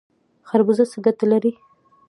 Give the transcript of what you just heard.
خربوزه څه ګټه لري؟